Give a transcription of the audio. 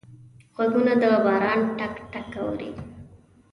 غوږونه د باران ټک ټک اوري